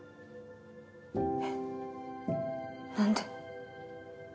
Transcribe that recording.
えっ何で？